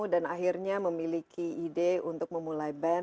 akhirnya memiliki ide untuk memulai band